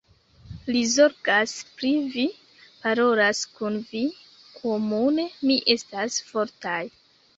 Li zorgas pri vi, parolas kun vi, komune ni estas fortaj.